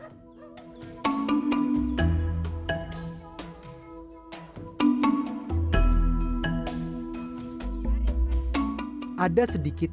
rumah adat di desa waru peli satu